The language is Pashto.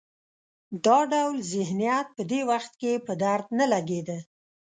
دا ډول ذهنیت په دې وخت کې په درد نه لګېده.